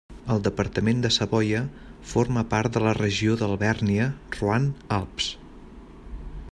El departament de Savoia forma part de la regió d'Alvèrnia-Roine-Alps.